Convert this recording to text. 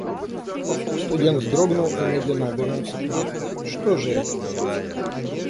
Студент вздрогнул и медленно обернулся к нам: — Что же это?